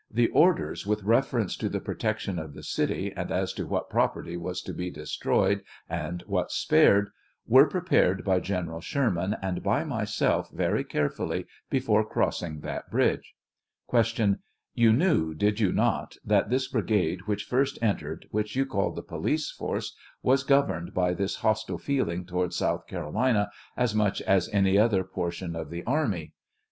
The orders with reference to the protection of the city, and as to what property was to be destroyed and what spared, were prepared by General Sherman and by myself very carefully before crossing that bridge. Q. You knew, did you not, that this brigade which first entered, which you called the police force, was governed by this hostile feeling towards South Carolina as much as any other portion of the army ? A.